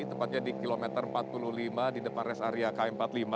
tepatnya di kilometer empat puluh lima di depan res area km empat puluh lima